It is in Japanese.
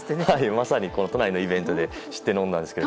まさに都内のイベントで知って飲んだんですけど。